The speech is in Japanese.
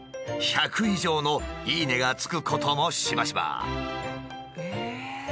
１００以上の「いいね！」がつくこともしばしば。